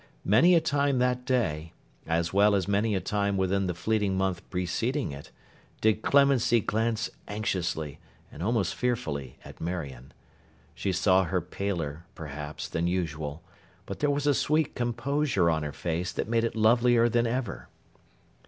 Many a time that day (as well as many a time within the fleeting month preceding it), did Clemency glance anxiously, and almost fearfully, at Marion. She saw her paler, perhaps, than usual; but there was a sweet composure on her face that made it lovelier than ever.